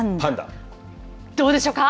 どうでしょうか。